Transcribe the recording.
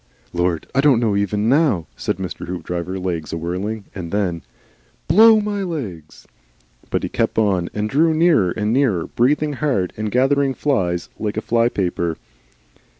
"Lord! I don't know even now," said Mr. Hoopdriver (legs awhirling), and then, "Blow my legs!" But he kept on and drew nearer and nearer, breathing hard and gathering flies like a flypaper.